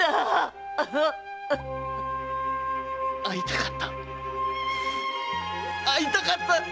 会いたかった会いたかった！